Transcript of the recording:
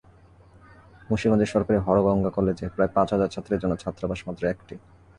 মুন্সিগঞ্জের সরকারি হরগঙ্গা কলেজে প্রায় পাঁচ হাজার ছাত্রের জন্য ছাত্রাবাস মাত্র একটি।